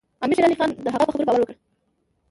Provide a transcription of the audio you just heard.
امیر شېر علي خان د هغه په خبرو باور وکړ.